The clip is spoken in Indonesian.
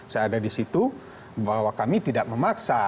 saya ada di situ bahwa kami tidak memaksa